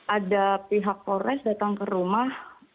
ada pihak polres datang ke rumah